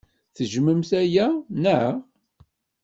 Tejjmemt aya, naɣ?